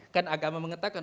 karena agama mengatakan